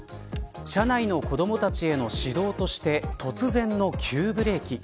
車内の子どもたちへの指導として突然の急ブレーキ。